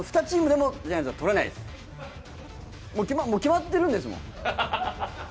もう決まってるんですもん。